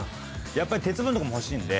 やっぱり鉄分とかも欲しいので。